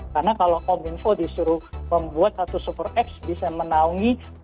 karena kalau kominfo disuruh membuat satu super apps bisa menaungi